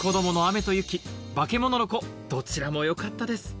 どちらも良かったです